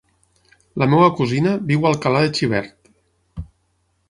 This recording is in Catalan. La meva cosina viu a Alcalà de Xivert.